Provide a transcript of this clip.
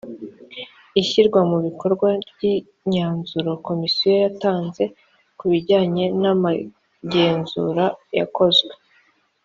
ishyirwa mu bikorwa ry imyanzuro komisiyo yatanze ku bijyanye n amagenzura yakozwe